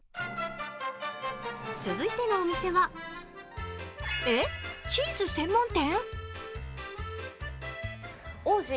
続いてのお店はえっ、チーズ専門店？